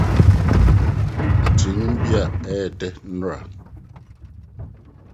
Ɔtee dwom bi a ɛyɛ dɛ nnera